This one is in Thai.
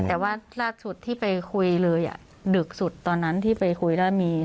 แต่ว่าล่าสุดที่ไปคุยเลยดึกสุดตอนนั้นที่ไปคุยแล้วมี